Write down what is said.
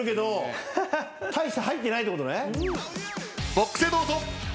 ボックスへどうぞ。